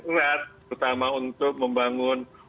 erat terutama untuk membangun